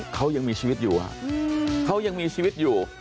เขายังมีชีวิตอยู่เขายังมีชีวิตอยู่